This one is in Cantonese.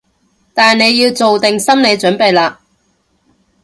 但你要做定心理準備喇